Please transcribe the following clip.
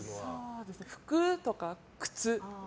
服とか靴。